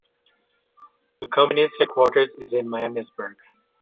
The company's headquarters is in Miamisburg.